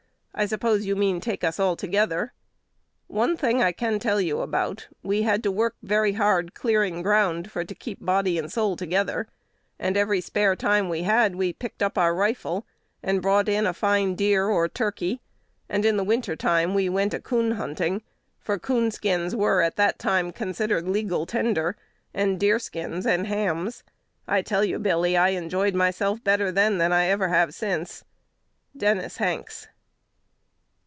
I suppose you mean take us all together. One thing I can tell you about: we had to work very hard cleaning ground for to keep body and soul together; and every spare time we had we picked up our rifle, and brought in a fine deer or turkey; and in the winter time we went a coon hunting, for coon skins were at that time considered legal tender, and deer skins' and hams. I tell you, Billy, I enjoyed myself better then than I ever have since." Dennis Hanks.